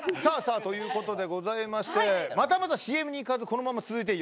ということでございましてまたまたＣＭにいかずこのままいきます。